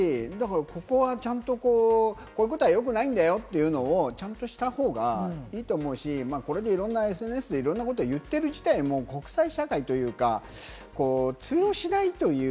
ここはちゃんとこういうことはよくないんだよというのをちゃんとした方がいいと思うし、これでいろんなＳＮＳで、いろんなことを言っている自体も国際社会というか、通用しないという。